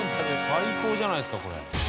最高じゃないですかこれ。